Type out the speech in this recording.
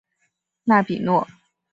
纳比诺。